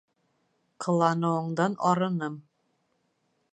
Ҡыланыуыңдан арыным.